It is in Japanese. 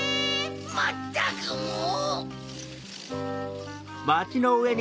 まったくもう。